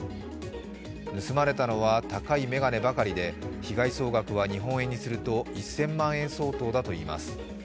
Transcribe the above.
盗まれたのは高い眼鏡ばかりで被害総額は日本円にすると１０００万円相当だといいます。